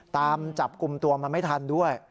ตามกลมตัวมันไม่ทันด้วย